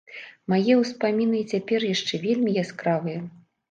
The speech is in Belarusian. Мае ўспаміны і цяпер яшчэ вельмі яскравыя.